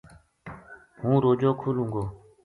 ہوں روجو کھولوں گو